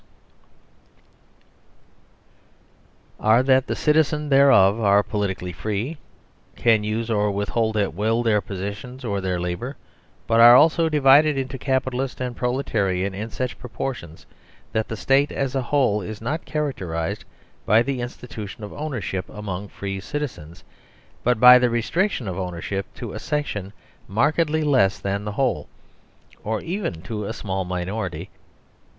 15 THE SERVILE STATE are: (i) That the citizens thereof are politically free: i.e. can use or withhold at will their possessions or their labour, but are also (2) divided into capitalist and proletarian in such proportions that the State as a whole is not characterised by the institution of ownership among free citizens, but by the restriction of ownership to a section markedly less than the whole, or even to a small minority.